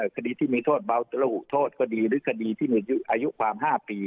คดีที่มีโทษเบาระอุโทษก็ดีหรือคดีที่มีอายุความ๕ปี